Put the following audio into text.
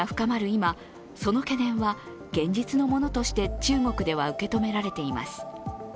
今その懸念は現実のものとして中国では受け止められています。